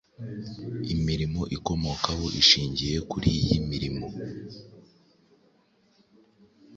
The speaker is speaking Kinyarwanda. imirimo ikomokaho ishingiye kuriyi mirimo